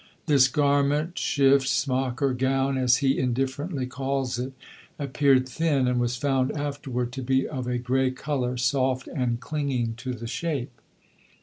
This garment, shift, smock or gown, as he indifferently calls it, appeared thin, and was found afterward to be of a grey colour, soft and clinging to the shape.